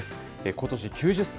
ことし９０歳。